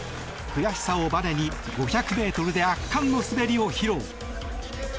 悔しさをばねに５００ｍで圧巻の滑りを披露。